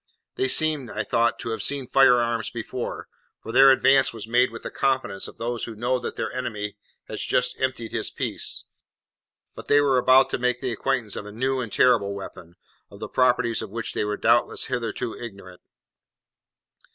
They seemed, I thought, to have seen fire arms before, for their advance was made with the confidence of those who know that their enemy has just emptied his piece; but they were about to make the acquaintance of a new and terrible weapon, of the properties of which they were doubtless hitherto ignorant.